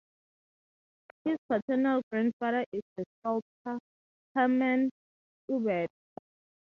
His paternal grandfather is the sculptor Hermann Schubert.